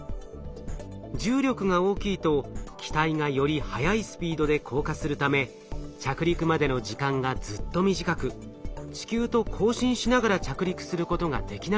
重力が大きいと機体がより速いスピードで降下するため着陸までの時間がずっと短く地球と交信しながら着陸することができないんです。